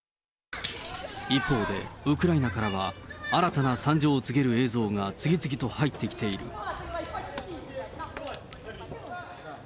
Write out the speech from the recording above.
一方で、ウクライナからは新たな惨状を告げる映像が次々と入ってきている。